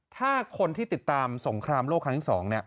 ถ้าคนที่ติดตามสงครามโลกครั้งที่๒